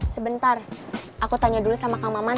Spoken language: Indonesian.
sebentar aku tanya dulu sama kang maman